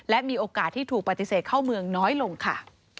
และมีโอกาสที่ถูกปฏิเสธเข้าเมืองน้อยลงค่ะ